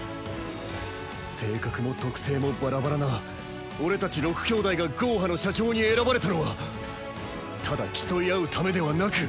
性格も特性もバラバラな俺たち６兄弟がゴーハの社長に選ばれたのはただ競い合うためではなく。